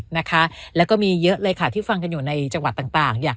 นะคะแล้วก็มีเยอะเลยค่ะที่ฟังกันอยู่ในจังหวัดต่าง